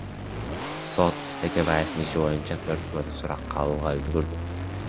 Сот Текебаевдин иши боюнча төрт күбөнү суракка алууга үлгүрдү.